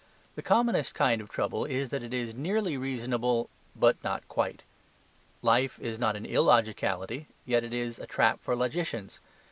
The commonest kind of trouble is that it is nearly reasonable, but not quite. Life is not an illogicality; yet it is a trap for logicians.